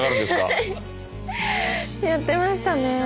はいやってましたね。